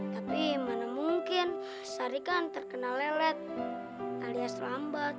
tapi mana mungkin sari kan terkena lelet talia selambat